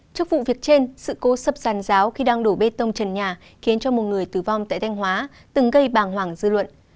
trước vụ việc trên sự cố sập giàn giáo khi đang đổ bê tông trần nhà khiến cho một người tử vong tại thanh hóa từng gây bàng hoàng dư luận